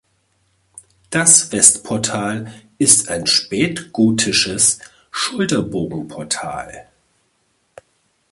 Das Westportal ist ein spätgotisches Schulterbogenportal.